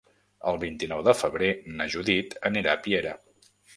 El vint-i-nou de febrer na Judit anirà a Piera.